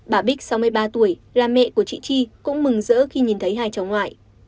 bà bích sáu mươi ba tuổi là mẹ của chị chi cũng mừng rỡ khi nhìn thấy hai cháu ngoại